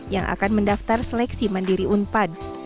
yang akan mendaftar seleksi mandiri unpan